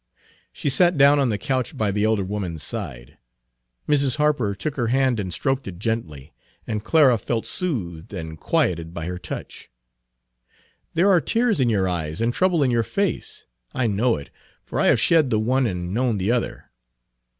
She sat down on the couch by the elder woman's side. Mrs. Harper took her hand and stroked it gently, and Clara felt soothed and quieted by her touch. "There are tears in your eyes and trouble in your face. I know it, for I have shed the one and known the other.